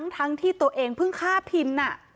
ทั้งที่ตัวเองเพิ่งฆ่าพิน